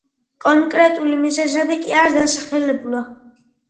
კონკრეტული მიზეზები კი არ დასახელებულა.